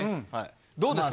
どうですか？